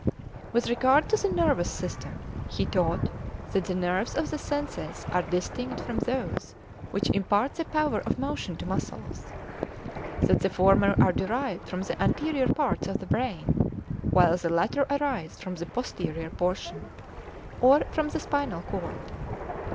With regard to the nervous system, he taught that the nerves of the senses are distinct from those which impart the power of motion to muscles that the former are derived from the anterior parts of the brain, while the latter arise from the posterior portion, or from the spinal cord.